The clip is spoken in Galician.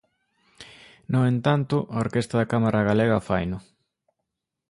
No entanto, a Orquestra de Cámara Galega faino.